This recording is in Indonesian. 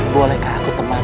bolehkah aku teman